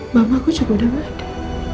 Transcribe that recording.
mama aku juga udah gak ada